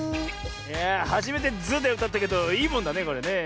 はじめて「ズ」でうたったけどいいもんだねこれねえ。